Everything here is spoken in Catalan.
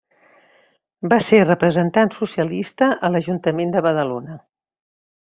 Va ser representant socialista a l'Ajuntament de Badalona.